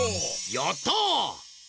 やった！